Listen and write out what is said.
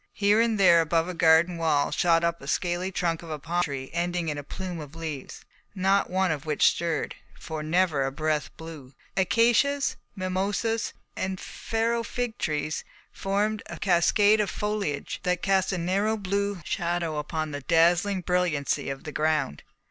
Here and there above a garden wall shot up the scaly trunk of a palm tree ending in a plume of leaves, not one of which stirred, for never a breath blew. Acacias, mimosas, and Pharaoh fig trees formed a cascade of foliage that cast a narrow blue shadow upon the dazzling brilliancy of the ground.